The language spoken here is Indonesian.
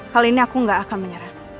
kali ini aku gak akan menyerah